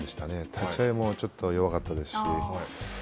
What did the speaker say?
立ち合いも、ちょっと弱かったですし。